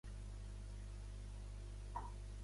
Demà passat na Nàdia i en David iran a Nulles.